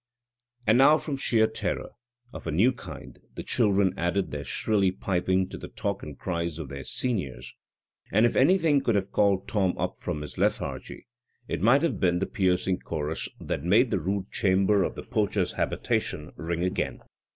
And now from sheer terror of a new kind the children added their shrilly piping to the talk and cries of their seniors; and if anything could have called Tom up from his lethargy, it might have been the piercing chorus that made the rude chamber of the poacher's habitation ring again.